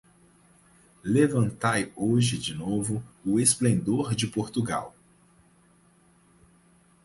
Levantai hoje de novo o esplendor de Portugal!